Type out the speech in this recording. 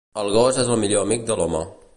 El gos és el millor amic de l'home.